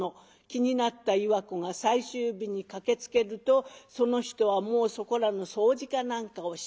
気になった岩子が最終日に駆けつけるとその人はもうそこらの掃除か何かをしている。